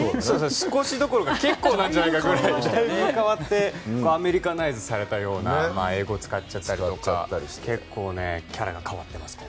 少しどころか結構じゃないかぐらいアメリカナイズされたような英語使っちゃったりとか結構、今回はキャラが変わっています。